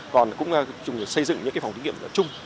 còn cũng xây dựng những phòng thí nghiệm chung